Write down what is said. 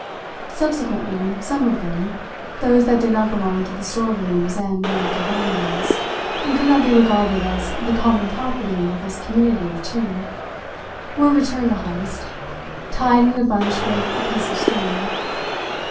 Subsequently some of them those that did not belong to the store rooms and the empty bungalows, and could not be regarded as the common property of this community of two were returned to Heyst, tied in a bunch with a piece of string.